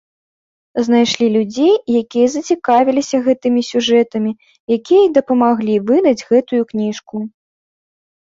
Знайшлі людзей, якія зацікавіліся гэтымі сюжэтамі, якія і дапамаглі выдаць гэтую кніжку.